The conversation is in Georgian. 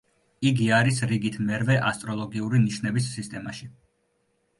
იგი არის რიგით მერვე ასტროლოგიური ნიშნების სისტემაში.